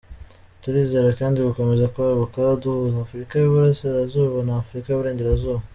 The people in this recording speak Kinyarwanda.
Turizera kandi gukomeza kwaguka duhuza Afurika y’Uburasirazuba na Afurika y’Uburengerazuba.